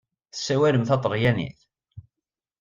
Tessawalem taṭalyanit?